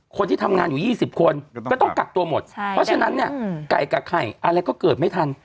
คนที่ทำงานอยู่๒๐คนก็ต้องกักตัวหมดเพราะฉะนั้นเนี่ยไก่กับไข่อะไรก็เกิดไม่ทัน